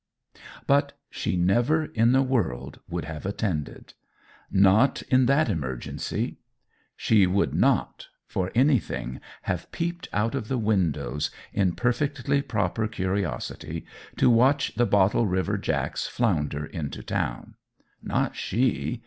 But she never in the world would have attended. Not in that emergency! She would not, for anything, have peeped out of the windows, in perfectly proper curiosity, to watch the Bottle River jacks flounder into town. Not she!